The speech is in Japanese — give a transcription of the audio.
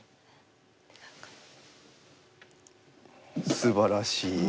すばらしい。